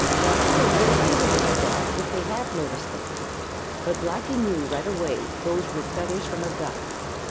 And few would have given them a thought if they had noticed them. But Blacky knew right away that those were feathers from a Duck.